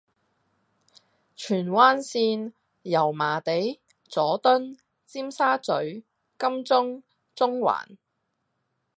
荃灣綫：油麻地，佐敦，尖沙咀，金鐘，中環